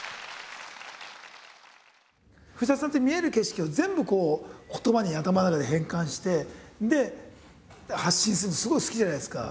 古さんって見える景色を全部こう言葉に頭の中で変換してで発信するのすごい好きじゃないですか。